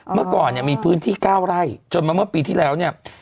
เมื่อก่อนมีพื้นที่๙ไร่จนเมื่อปีที่แล้ว